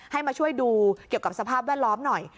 ให้มาช่วยดูเกี่ยวกับสภาพแวดล้อมหน่อย